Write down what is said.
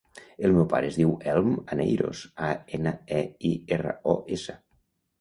El meu pare es diu Elm Aneiros: a, ena, e, i, erra, o, essa.